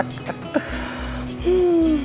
sepp ada ada aja